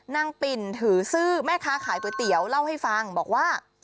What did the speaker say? ปิ่นถือซื่อแม่ค้าขายก๋วยเตี๋ยวเล่าให้ฟังบอกว่า